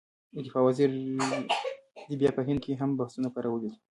د دفاع وزیر دې بیان په هند کې هم بحثونه پارولي دي.